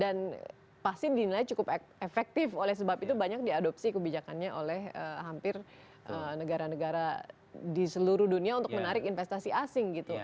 dan pasti dinilai cukup efektif oleh sebab itu banyak diadopsi kebijakannya oleh hampir negara negara di seluruh dunia untuk menarik investasi asing gitu